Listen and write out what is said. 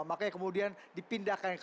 makanya kemudian dipindahkan ke